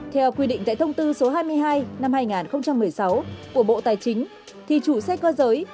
theo quy định tại thông tư số hai mươi hai năm hai nghìn một mươi sáu của bộ tài chính thì chủ xe cơ giới